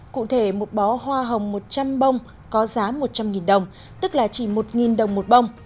cụ thể một bó hoa hồng một trăm linh bông có giá một trăm linh đồng tức là chỉ một đồng một bông